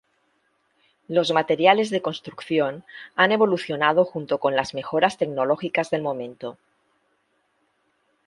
Los materiales de construcción han evolucionado junto con las mejoras tecnológicas del momento.